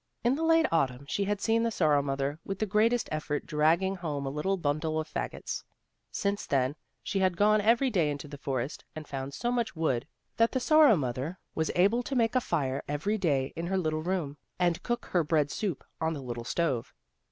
In the late Autumn she had seen the Sor row mother with the greatest effort dragging home a little bimdle of fagots. Since then she had gone every day into the forest and foimd so much wood that the Sorrow mother was able to 44 THE ROSE CHILD make a fire every day in her little room, and cook her bread soup on the little stove.